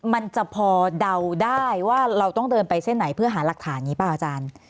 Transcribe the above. มันจะพอเดาได้ว่าเราต้องเดินไปเส้นไหนเพื่อหาหลักฐานนี้เปล่าอาจารย์